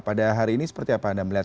pada hari ini seperti apa anda melihat